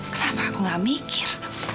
kenapa aku gak mikir